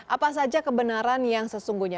apa saja kebenaran yang sesungguhnya